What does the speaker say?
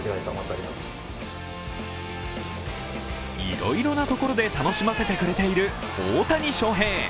いろいろなところで楽しませてくれている大谷翔平。